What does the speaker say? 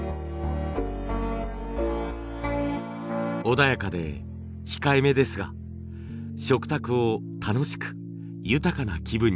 穏やかで控えめですが食卓を楽しく豊かな気分にしてくれます。